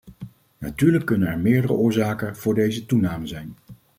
Natuurlijk kunnen er meerdere oorzaken voor deze toename zijn.